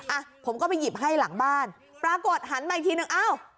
อ่ะผมก็ไปหยิบให้หลังบ้านปรากฏหันมาอีกทีหนึ่งอ้าว